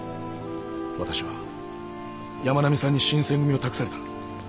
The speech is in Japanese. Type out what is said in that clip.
私は山南さんに新選組を託された。